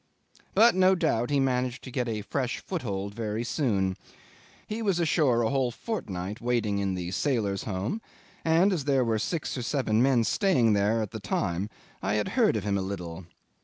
But no doubt he managed to get a fresh foothold very soon. He was ashore a whole fortnight waiting in the Sailors' Home, and as there were six or seven men staying there at the time, I had heard of him a little.